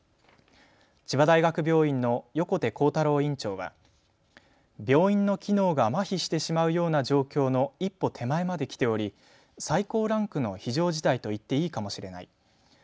千葉大学病院の横手幸太郎院長は病院の機能がまひしてしまうような状況の１歩手前まできており最高ランクの非常事態と言っていいかもしれない。